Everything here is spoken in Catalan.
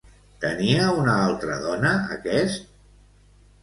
Tenia una altra dona aquest?